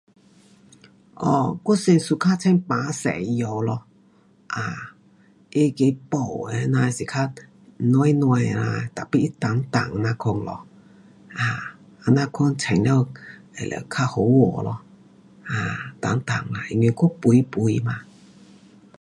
um 我是 suka 穿白色的衣物咯，um 它那个布的这样是较软软的啦 tapi 它重重那样款咯。um 这样款穿了了较好看咯。um 重重 um，因为我肥肥嘛。